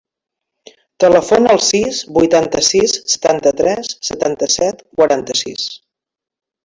Telefona al sis, vuitanta-sis, setanta-tres, setanta-set, quaranta-sis.